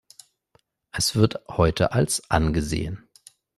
Es wird heute als angesehen.